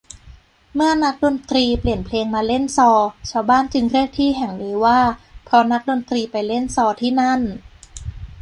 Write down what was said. เมื่อนักดนตรีเปลี่ยนเพลงมาเล่นซอ ชาวบ้านจึงเรียกที่แห่งนี้ว่า เพราะนักดนตรีไปเล่นซอที่นั่น